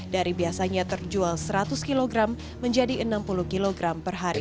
dari biasanya terjual seratus kg menjadi enam puluh kg per hari